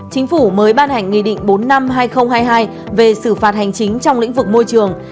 chính phủ mới ban hành nghị định bốn năm hai nghìn hai mươi hai về xử phạt hành chính trong lĩnh vực môi trường